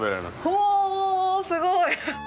おー、すごい。